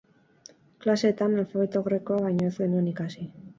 Klaseetan alfabeto grekoa baino ez genuen ikasi.